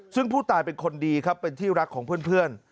ซึ่งผู้ตายเป็นคนดีครับเป็นที่รักของเพื่อน